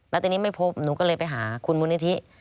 แล้วทีนี้ไม่พบหนูก็เลยไปหาคุณมูลนิธิ